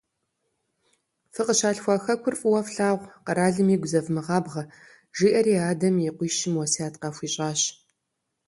Фыкъыщалъхуа Хэкур фӀыуэ флъагъу, къэралым игу зэвмыгъабгъэ, - жиӏэри, адэм и къуищым уэсят къахуищӀащ.